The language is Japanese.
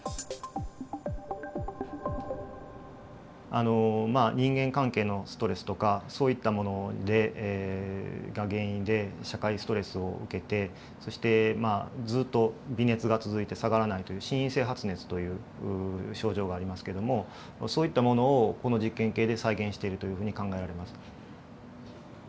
あのまあ人間関係のストレスとかそういったものが原因で社会ストレスを受けてそしてまあずっと微熱が続いて下がらないという心因性発熱という症状がありますけどもそういったものをこの実験系で再現しているというふうに考えられます。